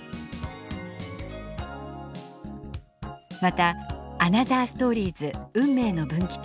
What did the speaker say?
また「アナザーストーリーズ運命の分岐点